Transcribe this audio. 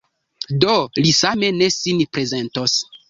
Do li same ne sin prezentos.